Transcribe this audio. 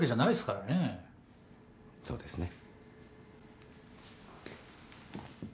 そうですね。